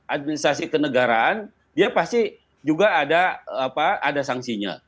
administrasi kenegaraan dia pasti juga ada sanksinya